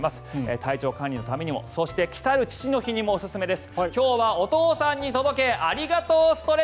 体調管理のためにもそして来たる父の日にもおすすめです。